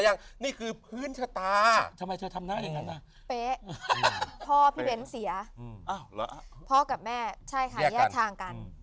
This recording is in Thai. เด็กคนที่จะโตขึ้นมาโดยตัวตัวเอง